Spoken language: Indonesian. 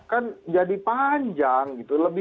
kan jadi panjang gitu